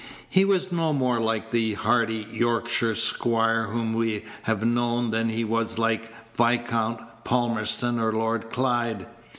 He was no more like the hearty Yorkshire squire whom we have known than he was like Viscount Palmerston or Lord Clyde.